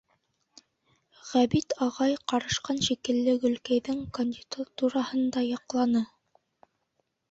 Ғәбит ағай, ҡарышҡан шикелле, Гөлкәйҙең кандидатураһын да яҡланы.